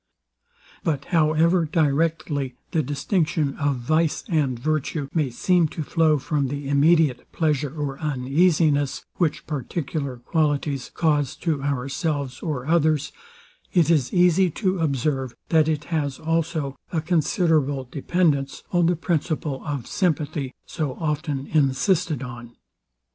But however directly the distinction of vice and virtue may seem to flow from the immediate pleasure or uneasiness, which particular qualities cause to ourselves or others; it is easy to observe, that it has also a considerable dependence on the principle of sympathy so often insisted on.